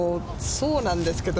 そうなんですけど。